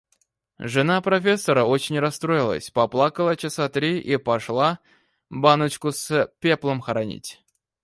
Жена профессора очень расстроилась, поплакала часа три и пошла баночку с пеплом хоронить.